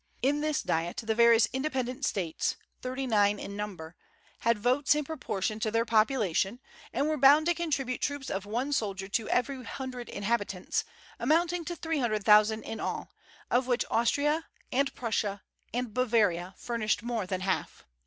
In this Diet the various independent States, thirty nine in number, had votes in proportion to their population, and were bound to contribute troops of one soldier to every hundred inhabitants, amounting to three hundred thousand in all, of which Austria and Prussia and Bavaria furnished more than half.